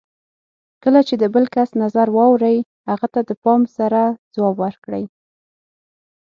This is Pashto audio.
کله چې د بل کس نظر واورئ، هغه ته د پام سره ځواب ورکړئ.